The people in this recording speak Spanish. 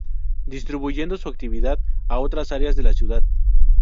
Distribuyendo su actividad a otras áreas de la ciudad.